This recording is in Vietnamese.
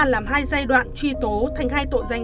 làm hai giai đoạn truy tố thành hai tội danh